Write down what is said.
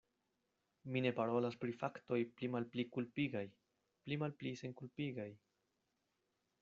Mi ne parolas pri faktoj pli malpli kulpigaj, pli malpli senkulpigaj.